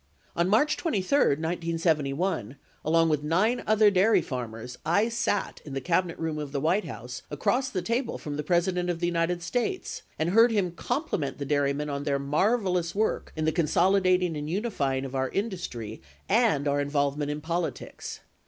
.. On March 23, 1971, along with nine other dairy farmers, I sat in the Cabinet Room of the White House across the table from the President of the United States, and heard him eorn pliment the dairymen on their marvelous work in the consoli dating and unifying of our industry and our involvement in politics.